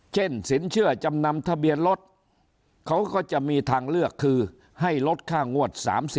สินเชื่อจำนำทะเบียนรถเขาก็จะมีทางเลือกคือให้ลดค่างวด๓๐